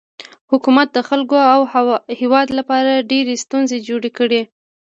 حکومت د خلکو او هیواد لپاره ډیرې ستونزې جوړې کړي.